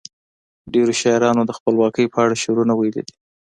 ډیرو شاعرانو د خپلواکۍ په اړه شعرونه ویلي دي.